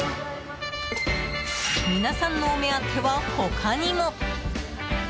皆さんのお目当ては他にも。